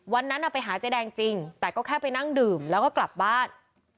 วันนั้นไปหาเจ๊แดงจริงแต่ก็แค่ไปนั่งดื่มแล้วก็กลับบ้าน